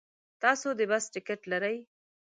تاسو د بس ټکټ لرئ؟